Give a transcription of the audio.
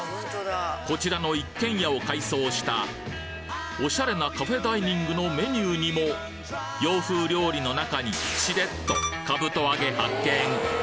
こちらの一軒家を改装したオシャレなカフェダイニングのメニューにも洋風料理の中にしれっとかぶと揚げ発見！